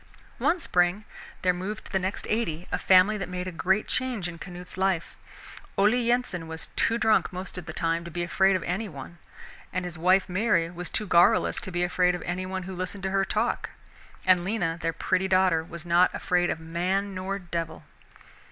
One spring there moved to the next "eighty" a family that made a great change in Canute's life. Ole Yensen was too drunk most of the time to be afraid of any one, and his wife Mary was too garrulous to be afraid of any one who listened to her talk, and Lena, their pretty daughter, was not afraid of man nor devil.